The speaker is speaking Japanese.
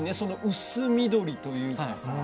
薄緑というかさ。